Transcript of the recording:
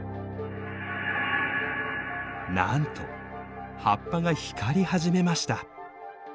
なんと葉っぱが光り始めました。